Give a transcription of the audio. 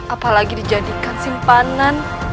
apalagi dijadikan simpanan